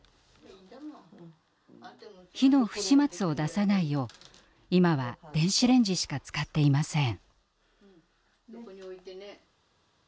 火の不始末を出さないよう今は電子レンジしか使っていません。